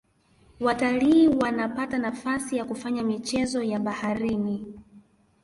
watalii wanapata nafasi ya kufanya michezo ya baharini